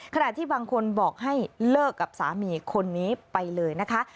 ขณะที่บางคนบอกให้เลิกกับสามีคนนี้ไปเลยนะคะ